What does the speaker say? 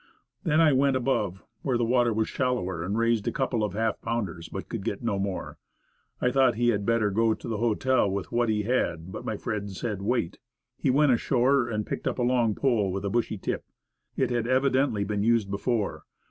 Then I went above, where the water was shallower, and raised a couple of half pounders, but could get no more. I thought we had better go to the hotel with what we had, but my friend said "wait;" he went ashore and picked up a long pole with a bushy tip; it had evidently been used before.